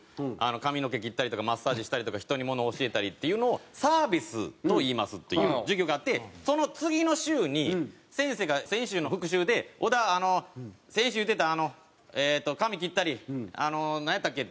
「髪の毛切ったりとかマッサージしたりとか人にものを教えたりっていうのをサービスといいます」という授業があってその次の週に先生が先週の復習で「小田先週言ってたあのえーっと髪切ったりなんやったっけ？」